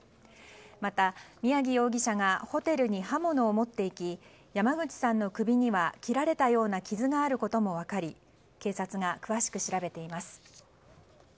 また、宮城容疑者がホテルに刃物を持っていき山口さんの首には切られたような傷があることも分かり警察が詳しく調べています。